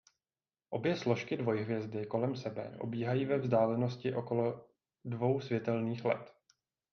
Obě složky dvojhvězdy kolem sebe obíhají ve vzdálenosti okolo dvou světelných let.